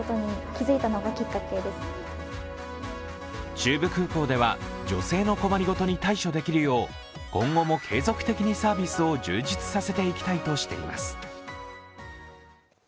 中部空港では女性の困り事に対処できるよう今後も継続的にサービスを充実させていきたいとしています。